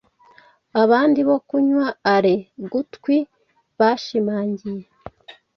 Abandi bokunywa ale-gutwi bashimangiye